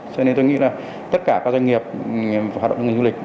cho nên tôi nghĩ là tất cả các doanh nghiệp hoạt động du lịch